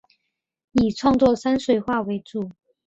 以创作山水画为主。